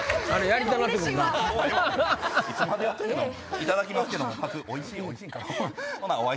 いただきますけどもパクっおいしいおいしい。